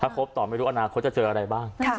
ครบต่อไม่รู้อนาคตจะเจออะไรบ้าง